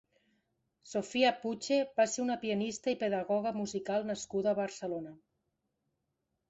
Sofia Puche va ser una pianista i pedagoga musical nascuda a Barcelona.